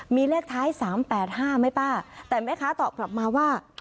มีเลขท้าย๓๘๕ไหมป้าแต่แม่ค้าตอบกลับมาว่า